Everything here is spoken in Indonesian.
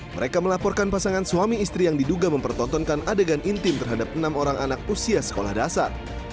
mereka melaporkan pasangan suami istri yang diduga mempertontonkan adegan intim terhadap enam orang anak usia sekolah dasar